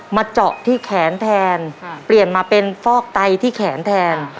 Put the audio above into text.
เจาะที่แขนแทนเปลี่ยนมาเป็นฟอกไตที่แขนแทน